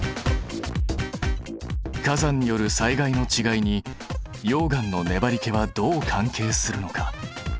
火山による災害のちがいに溶岩のねばりけはどう関係するのか？